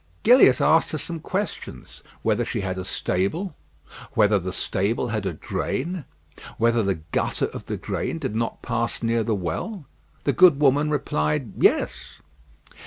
Gilliatt asked her some questions: whether she had a stable? whether the stable had a drain? whether the gutter of the drain did not pass near the well? The good woman replied "Yes."